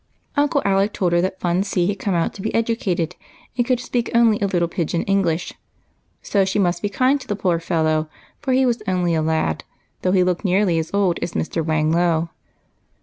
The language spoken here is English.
Uncle Alec told her that Fun See had come out to be educated, and could only sjDeak a little pigeon English ; so she must be kind to the poor fellow, for he was only a lad, though he looked nearly as old as Mr. Whang Lo.